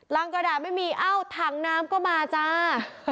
กระดาษไม่มีเอ้าถังน้ำก็มาจ้า